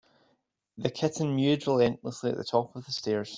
The kitten mewed relentlessly at the top of the stairs.